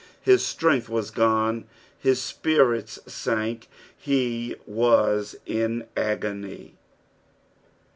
His strength was gone, his spirits sank, he was in an agony.